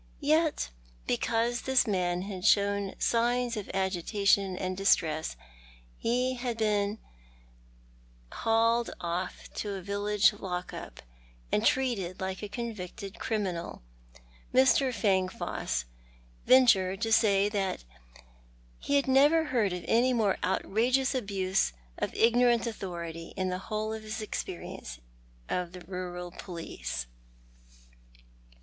Yet because this man had shown signs of agitation and distress he had been haled off to a village lock up, and treated like a convicted criminal. Vlx. Fangfoss ventured to say that he had never heard of any more outrageous abuse of ignorant authority in the whole of his experience of the rural police.